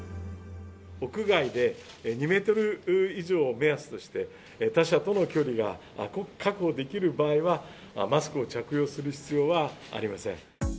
屋外で２メートル以上を目安として、他者との距離が確保できる場合は、マスクを着用する必要はありませ